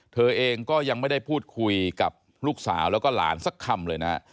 เธอเองก็ยังไม่ได้พูดคุยกับลูกสาวแล้วก็หลานสักคำเลยนะ